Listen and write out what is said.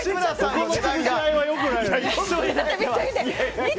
ここの潰し合いはよくないよ。